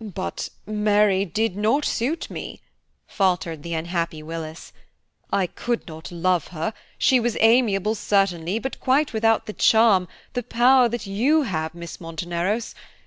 "But Mary did not suit me," faltered the unhappy Willis, "I could not love her; she was amiable certainly, but quite without the charm, the power that you have, Miss Monteneros.